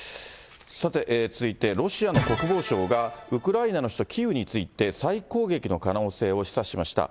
さて、続いて、ロシアの国防省が、ウクライナの首都キーウについて、再攻撃の可能性を示唆しました。